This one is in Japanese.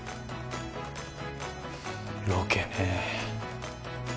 ロケねえ